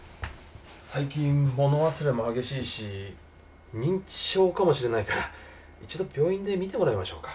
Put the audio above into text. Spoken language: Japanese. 最近物忘れも激しいし認知症かもしれないから一度病院で診てもらいましょうか。